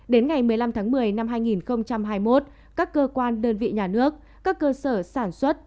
đến ngày một mươi năm tháng một mươi năm hai nghìn hai mươi một các cơ quan đơn vị nhà nước các cơ sở sản xuất